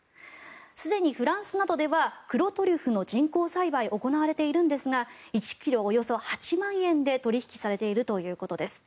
すでにフランスなどでは黒トリュフの人工栽培が行われているんですが１ｋｇおよそ８万円で取引されているということです。